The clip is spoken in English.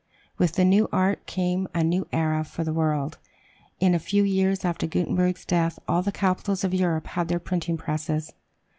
With the new art came a new era for the world. In a few years after Gutenberg's death all the capitals of Europe had their printing presses.